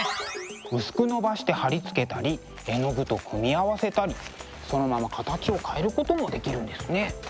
薄くのばして貼り付けたり絵の具と組み合わせたりそのまま形を変えることもできるんですね。